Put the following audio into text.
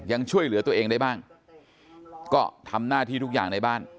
ยังช่วยเหลือตัวเองได้บ้างก็ทำหน้าที่ทุกอย่างในบ้าน